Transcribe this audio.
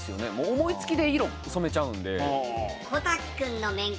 思いつきで色染めちゃうんで。